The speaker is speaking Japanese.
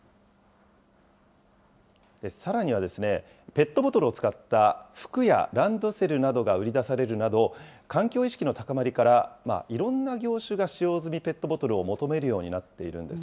さらにはですね、ペットボトルを使った服やランドセルなどが売り出されるなど、環境意識の高まりから、いろんな業種が使用済みペットボトルを求めるようになっているん